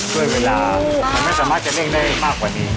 ด้วยเวลามันไม่สามารถจะเร่งได้มากกว่านี้